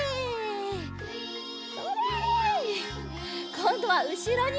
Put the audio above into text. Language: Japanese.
こんどはうしろにもそれ！